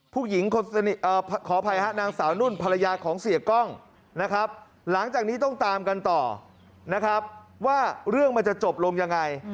ขออภัยฮะนางสาวนุ่นภรรยาของเสียกล้องนะครับหลังจากนี้ต้องตามกันต่อนะครับว่าเรื่องมันจะจบลงยังไง